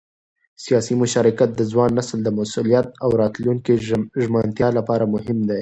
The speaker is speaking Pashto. سیاسي مشارکت د ځوان نسل د مسؤلیت او راتلونکي ژمنتیا لپاره مهم دی